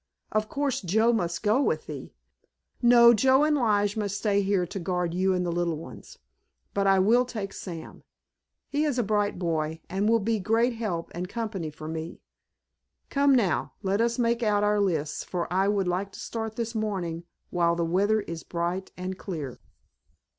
Of course Joe must go with thee——" "No, Joe and Lige must stay here to guard you and the little ones. But I will take Sam. He is a bright boy, and will be great help and company for me. Come now, let us make out our lists, for I would like to start this morning while the weather is bright and clear."